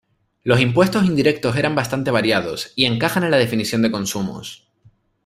Los impuestos indirectos eran bastante variados, y encajan en la definición de consumos.